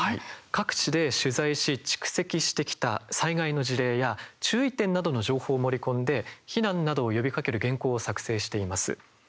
各地で取材し蓄積してきた災害の事例や注意点などの情報を盛り込んで避難などを呼びかける原稿を作成しています。